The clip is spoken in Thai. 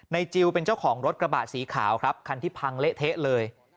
จิลเป็นเจ้าของรถกระบะสีขาวครับคันที่พังเละเทะเลย